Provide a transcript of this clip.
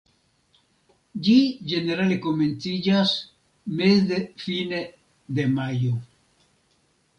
Ĝi ĝenerale komenciĝas meze-fine de majo.